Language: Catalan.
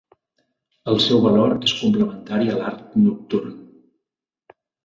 El seu valor és complementari a l'arc nocturn.